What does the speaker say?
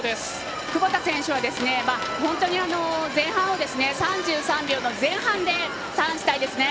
窪田選手は本当に前半を３３秒前半でターンしたいですね。